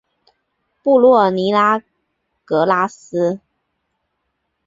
布洛尼拉格拉斯。